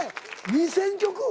２，０００曲？